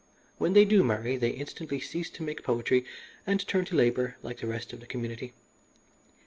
When they do marry they instantly cease to make poetry and turn to labour like the rest of the community.